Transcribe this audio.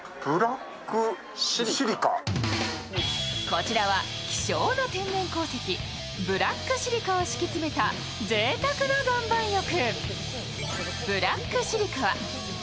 こちらは希少な天然鉱石ブラックシリカを敷き詰めたぜいたくな岩盤浴。